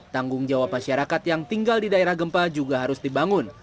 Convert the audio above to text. tanggung jawab masyarakat yang tinggal di daerah gempa juga harus dibangun